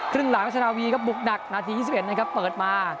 ครึ่งหลังรัชนาวีครับบุกหนักนาที๒๑นะครับเปิดมา